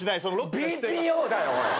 ＢＰＯだよおい！